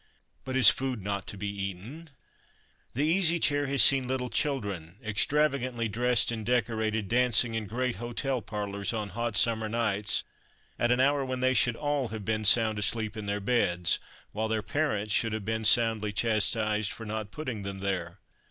But is food not to be eaten? The Easy Chair has seen little children, extravagantly dressed and decorated, dancing in great hotel parlors on hot summer nights at an hour when they should all have been sound asleep in their beds, while their parents should have been soundly chastised for not putting them there.